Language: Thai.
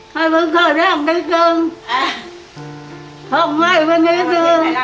ใครมันขอแรงด้วยจริงอ่ะของให้วันนี้จริง